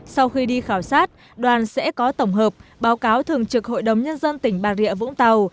sau khi đi khảo sát đoàn sẽ có tổng hợp báo cáo thường trực hội đồng nhân dân tỉnh bà rịa vũng tàu